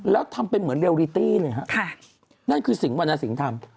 แล้วทำเป็นเหมือนเรียลริตี้เลยฮะนั่นคือสิ่งวรรณสิงห์ทำ